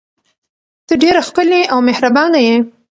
ته ډیره ښکلې او مهربانه یې.